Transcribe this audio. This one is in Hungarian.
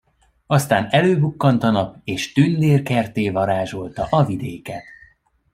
Aztán előbukkant a nap, és tündérkertté varázsolta a vidéket.